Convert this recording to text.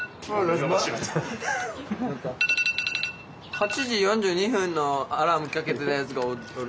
８時４２分のアラームかけてるやつがおる。